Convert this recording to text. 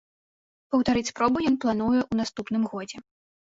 Паўтарыць спробу ён плануе ў наступным годзе.